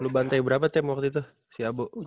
lo bantai berapa tem waktu itu si abo